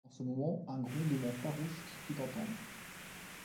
En ce moment un grondement farouche se fit entendre.